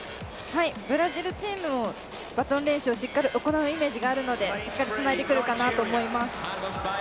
ブラジルチームもバトン練習をしっかり行うイメージがあるのでしっかりつないでくるかなと思います。